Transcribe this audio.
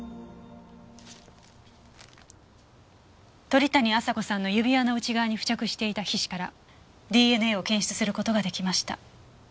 鳥谷亜沙子さんの指輪の内側に付着していた皮脂からＤＮＡを検出する事ができました。